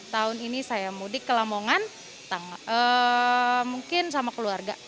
tahun ini saya mudik ke lamongan mungkin sama keluarga